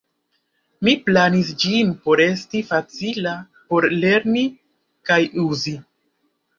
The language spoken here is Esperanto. Mi planis ĝin por esti facila por lerni kaj uzi.